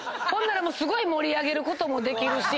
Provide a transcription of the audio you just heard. すごい盛り上げることもできるし。